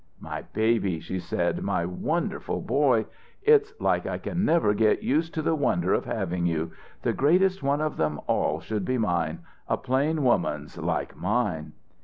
"My baby," she said, "my wonderful boy, it's like I can never get used to the wonder of having you! The greatest one of them all should be mine a plain woman's like mine!"